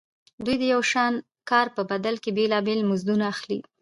دوی د یو شان کار په بدل کې بېلابېل مزدونه اخلي